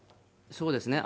そうですね。